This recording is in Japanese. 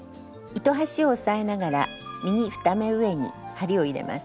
糸端を押さえながら右２目上に針を入れます。